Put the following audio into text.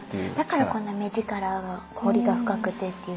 だからこんな目力が彫りが深くてっていう。